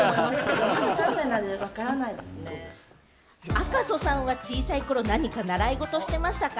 赤楚さんは小さい頃、何か習い事をしていましたか？